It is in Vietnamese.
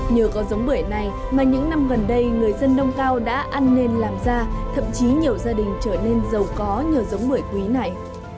nhờ có giống bưởi này mà những năm gần đây người dân đông cao đã ăn nên làm ra thậm chí nhiều gia đình trở nên giàu có nhờ giống bưởi quý này